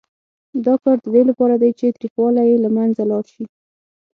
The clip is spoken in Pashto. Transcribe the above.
دا کار د دې لپاره دی چې تریخوالی یې له منځه لاړ شي.